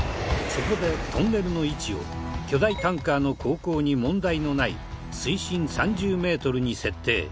そこでトンネルの位置を巨大タンカーの航行に問題のない水深３０メートルに設定。